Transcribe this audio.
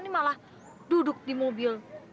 ini malah duduk di mobil